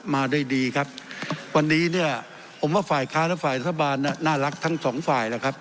มาได้ดีครับวันนี้เนี่ยผมว่าฝ่ายค้าและฝ่ายรัฐบาลน่ะน่ารักทั้งสองฝ่ายแล้วครับ